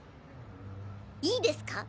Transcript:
いいですか？